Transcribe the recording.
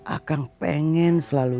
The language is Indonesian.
akang pengen selalu